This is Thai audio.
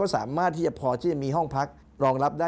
สามารถที่จะพอที่จะมีห้องพักรองรับได้